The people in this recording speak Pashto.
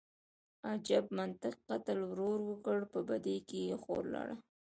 _اجب منطق، قتل ورور وکړ، په بدۍ کې يې خور لاړه.